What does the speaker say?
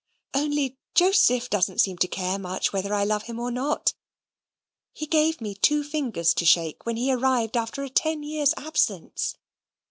"Only Joseph doesn't seem to care much whether I love him or not. He gave me two fingers to shake when he arrived after ten years' absence!